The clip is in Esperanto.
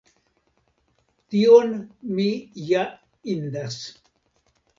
Tion mi ja indas.